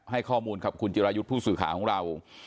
ให้ข้อมูลกับคุณจิรายุทธ์ผู้สื่อข่าวของเรา